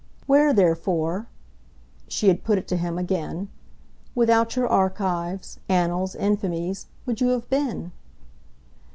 Where, therefore" she had put it to him again "without your archives, annals, infamies, would you have been?"